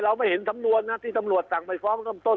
เราไม่เห็นธรรมนวณนะที่ธรรมรวจสั่งไปฟ้องต้น